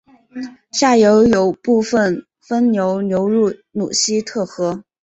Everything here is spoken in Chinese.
下游有部分分流流入鲁希特河。